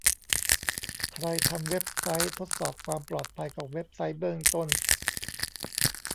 ใครทำเว็บไซต์ ทดสอบความปลอดภัยของเว็บไซต์เบื้องต้น